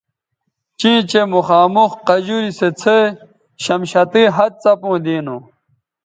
چیں چہء مخامخ قجوری سو څھے شمشتئ ھَت څپوں دینو